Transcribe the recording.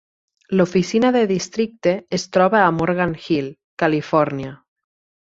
L'oficina de districte es troba a Morgan Hill, Califòrnia.